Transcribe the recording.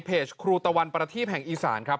ครูตะวันประทีปแห่งอีสานครับ